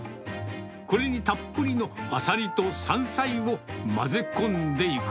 これにたっぷりのアサリと山菜を混ぜ込んでいく。